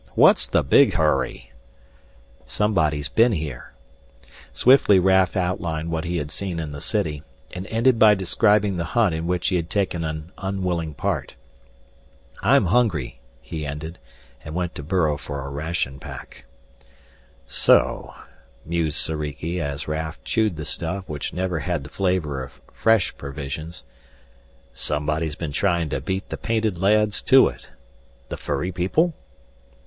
What's the big hurry?" "Somebody's been here." Swiftly Raf outlined what he had seen in the city, and ended by describing the hunt in which he had taken an unwilling part. "I'm hungry," he ended and went to burrow for a ration pack. "So," mused Soriki as Raf chewed the stuff which never had the flavor of fresh provisions, "somebody's been trying to beat the painted lads to it. The furry people?"